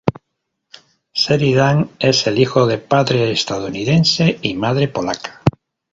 Sheridan es el hijo de padre estadounidense y madre polaca.